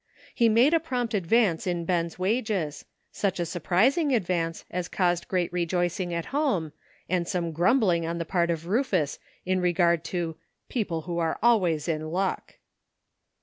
He made a prompt advance in Ben's wages — such a surprising advance as caused great rejoicing at home, and some grumbling on the part of Rufus in regard to " people who were always in luck."